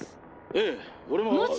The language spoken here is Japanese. ええ俺も。